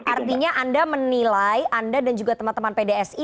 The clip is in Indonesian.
artinya anda menilai anda dan juga teman teman pdsi